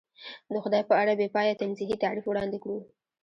د خدای په اړه بې پایه تنزیهي تعریف وړاندې کړو.